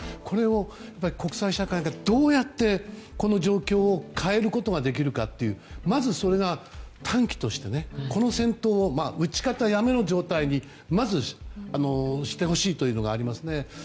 これを国際社会がどうやってこの状況を変えることができるかというまず、それが短期としてこの戦闘を撃ち方やめの状態にまず、してほしいというのがありますね。